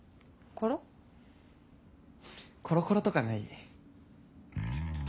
コロコロとかない？